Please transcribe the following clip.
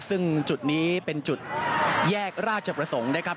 ซึ่งจุดนี้เป็นจุดแยกราชประสงค์นะครับ